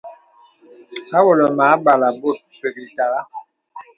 Awɔ̄lə̀ mə âbalə̀ bòt pək ìtagha.